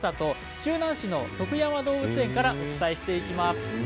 周南市の徳山動物園からお伝えします。